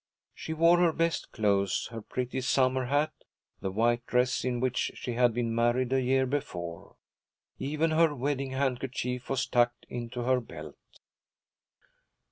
She wore her best clothes, her pretty summer hat, the white dress in which she had been married a year before. Even her wedding handkerchief was tucked into her belt.